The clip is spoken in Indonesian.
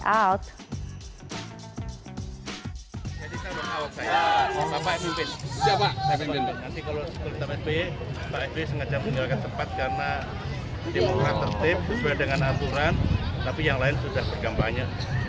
demokrat tertip sesuai dengan aturan tapi yang lain sudah bergambangnya